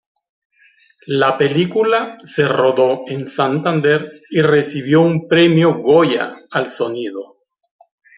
La película se rodó en Santander y recibió un premio Goya al sonido.